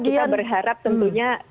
kita berharap tentunya